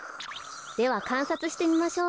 ではかんさつしてみましょう。